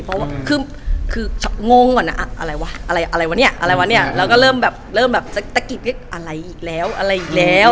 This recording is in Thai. รู้ขึ้นว่าอะไรปรูปแม้วะยังไงเริ่มตะกิดอะไรอีกแล้ว